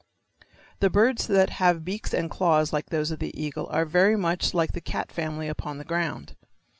The birds that have beaks and claws like those of the eagle are very much like the cat family upon the ground.